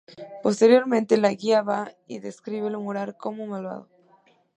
Posteriormente la guía va, y describe el mural como "malvado".